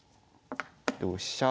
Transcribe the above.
同飛車。